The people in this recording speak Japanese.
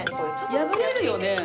破れるよね。